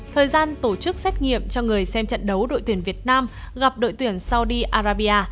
thời gian tổ chức xét nghiệm cho người xem trận đấu đội tuyển việt nam gặp đội tuyển sau đi arabia